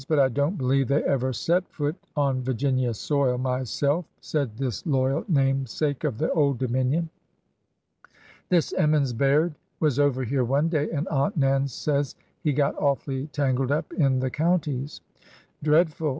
But I don't believe they ever set foot on Virginia soil, myself," said this loyal namesake of the Old Dominion. This Emmons Baird was over here one day, and Aunt Nan says he got awfully tangled up in the counties." Dreadful